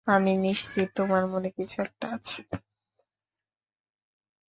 আমি নিশ্চিত তোমার মনে কিছু একটা আছে।